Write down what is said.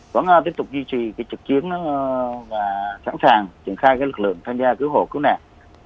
vẫn tiếp tục duy trì trực chiến và sẵn sàng triển khai lực lượng tham gia cứu hộ cứu nạn